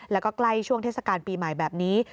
แล้วก็ใกล้ช่วงเทศกาลปีใหม่แบบนี้